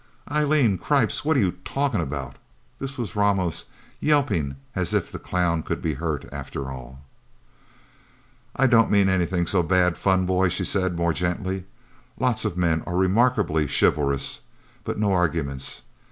"Eileen! Cripes, what are you talking about?" This was Ramos yelping, as if the clown could be hurt, after all. "I don't mean anything so bad, Fun Boy," she said more gently. "Lots of men are remarkably chivalrous. But no arguments.